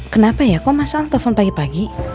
kenapa ya kok mas al telepon pagi pagi